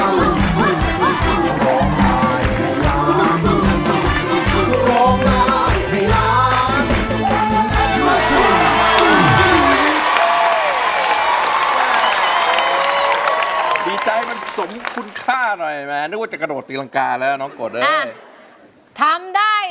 เต้นไหม่าหกหมื่นบาทน้องกรดร้องได้